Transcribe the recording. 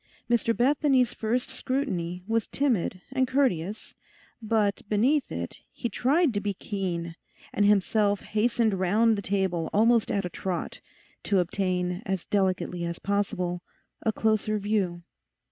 Mr Bethany's first scrutiny was timid and courteous, but beneath it he tried to be keen, and himself hastened round the table almost at a trot, to obtain, as delicately as possible, a closer view.